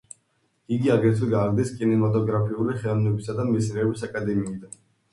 იგი აგრეთვე გააგდეს კინემატოგრაფიული ხელოვნებისა და მეცნიერების აკადემიიდან.